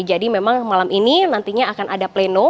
jadi memang malam ini nantinya akan ada pleno